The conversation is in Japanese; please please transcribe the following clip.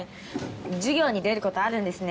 授業に出る事あるんですね。